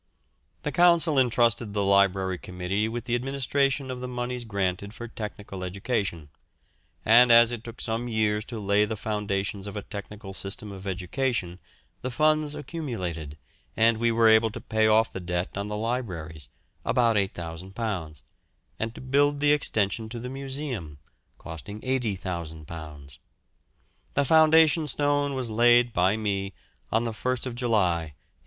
The Council entrusted the Library Committee with the administration of the moneys granted for technical education, and as it took some years to lay the foundations of a technical system of education the funds accumulated, and we were able to pay off the debt on the libraries, about £8,000, and to build the extension to the museum, costing £80,000. The foundation stone was laid by me on the 1st July, 1898.